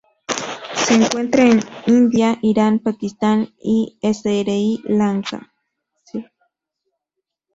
Se encuentra en India, Irán, Pakistán, y Sri Lanka.